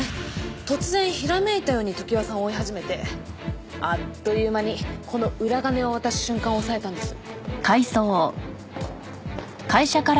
突然ひらめいたように常盤さんを追い始めてあっという間にこの裏金を渡す瞬間を押さえたんです。